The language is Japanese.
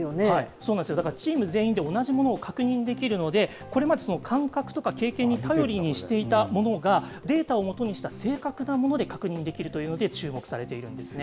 そうなんですよ、チーム全員で同じものを確認できるので、これまで感覚とか経験に頼りにしていたものがデータを基にした正確なもので確認できるというので、注目されているんですね。